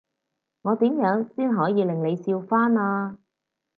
我點樣先可以令你笑返呀？